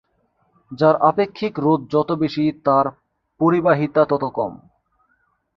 যার আপেক্ষিক রোধ যত বেশি তার পরিবাহিতা তত কম।